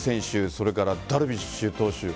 それからダルビッシュ投手